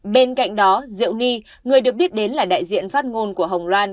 bên cạnh đó diệu ni người được biết đến là đại diện phát ngôn của hồng loan